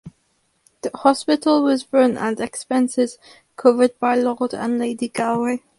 The hospital was run and expenses covered by Lord and Lady Galway.